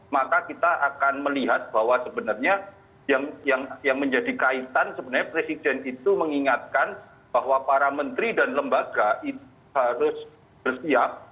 maka kita akan melihat bahwa sebenarnya yang menjadi kaitan sebenarnya presiden itu mengingatkan bahwa para menteri dan lembaga itu harus bersiap